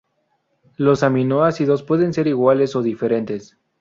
Los aminoácidos pueden ser iguales o diferentes.